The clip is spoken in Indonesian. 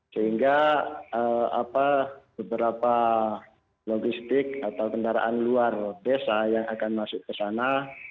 sehingga beberapa logistik atau kendaraan luar desa yang akan masuk ke sana